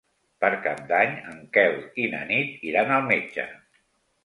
Per Cap d'Any en Quel i na Nit iran al metge.